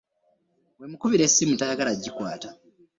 Bwemukkubira essimu tayagala kugikwata.